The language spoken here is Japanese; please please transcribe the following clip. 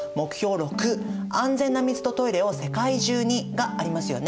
６「安全な水とトイレを世界中に」がありますよね。